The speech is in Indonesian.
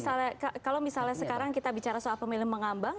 kalau misalnya sekarang kita bicara soal pemilih mengambang